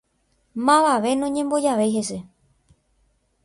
Mavave noñembojavéi hese